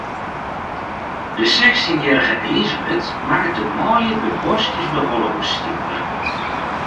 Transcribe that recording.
De sechstjinjierrige Elisabeth makket de manlju by boskjes de holle oerstjoer.